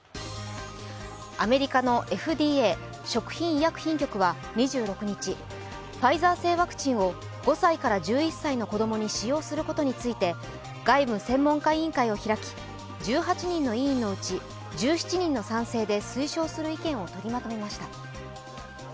アメリカのＦＤＡ＝食品医薬品局は２６日、ファイザー製ワクチンを５歳から１１歳の子供に使用することについて、外部専門家委員会を開き１８人の委員のうち１７人の賛成で推奨する意見をとりまとめました。